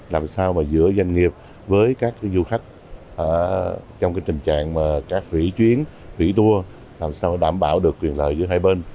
làm sao mà giữa doanh nghiệp với các du khách trong cái tình trạng mà các thủy chuyến thủy tour làm sao đảm bảo được quyền lợi giữa hai bên